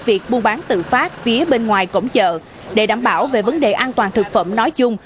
việc buôn bán tự phát phía bên ngoài cổng chợ để đảm bảo về vấn đề an toàn thực phẩm nói chung